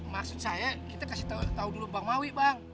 maksud saya kita kasih tau dulu bang mawi bang